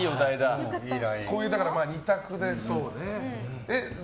こういう２択でね。